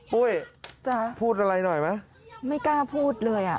ปุ้ยพูดอะไรหน่อยไหมไม่กล้าพูดเลยอ่ะ